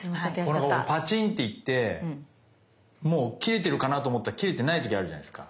パチンって言ってもう切れてるかなと思ったら切れてない時あるじゃないですか。